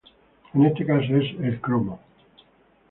En este caso es el cromo.